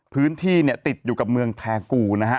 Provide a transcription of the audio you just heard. พื้นที่เนี่ยติดอยู่กับเมืองแทกูนะฮะ